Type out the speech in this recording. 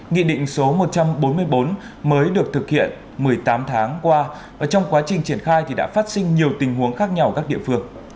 nghị định số một trăm bốn mươi bốn mới được thực hiện một mươi tám tháng qua và trong quá trình triển khai thì đã phát sinh nhiều tình huống khác nhau ở các địa phương